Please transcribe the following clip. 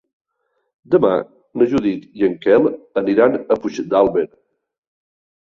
Demà na Judit i en Quel aniran a Puigdàlber.